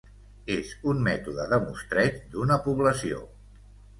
És un mètode de mostreig d'una població.